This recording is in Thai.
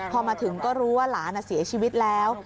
พอมาถึงก็รู้ว่าหลานเสียชีวิตแล้ว